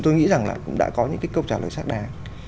tôi nghĩ rằng là cũng đã có những cái câu trả lời xác đàng